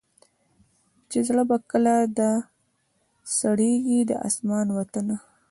چي زړه به کله در سړیږی د اسمان وطنه